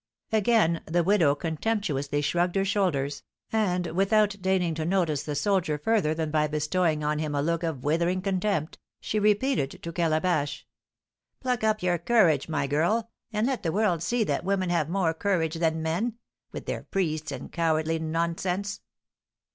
Again the widow contemptuously shrugged her shoulders, and, without deigning to notice the soldier further than by bestowing on him a look of withering contempt, she repeated to Calabash: "Pluck up your courage, my girl, and let the world see that women have more courage than men, with their priests and cowardly nonsense!"